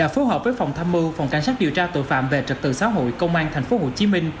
phối hợp với phòng tham mưu phòng cảnh sát điều tra tội phạm về trật tự xã hội công an tp hcm